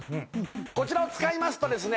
こちらを使いますとですね